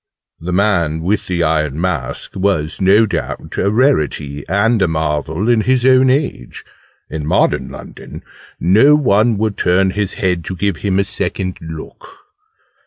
'The Man with the Iron Mask' was, no doubt, a rarity and a marvel in his own age: in modern London no one would turn his head to give him a second look!